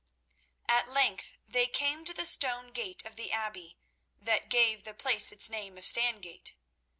At length they came to the stone gate of the Abbey, that gave the place its name of Stangate.